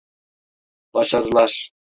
Başarılar.